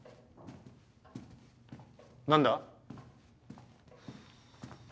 何だ？